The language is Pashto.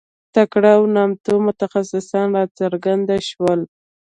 تکړه او نامتو متخصصان راڅرګند شول.